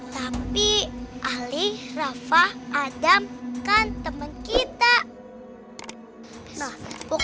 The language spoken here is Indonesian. tapi ali rafa adam kan teman kita nah pokoknya kita harus bantuin ali rafa dan adam supaya berubah